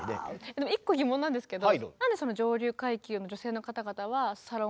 でも一個疑問なんですけどそれはね